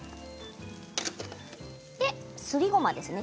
すりごまですね